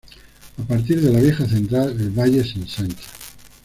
A partir de la vieja central, el valle se ensancha.